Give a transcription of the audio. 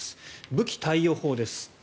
武器貸与法です。